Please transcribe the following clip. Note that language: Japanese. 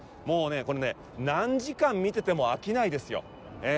もうね、これね、何時間見てても飽きないですよ。